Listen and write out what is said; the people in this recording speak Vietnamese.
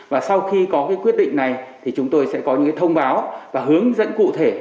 và sau khi có cái quyết định này thì chúng tôi sẽ có những thông báo và hướng dẫn cụ thể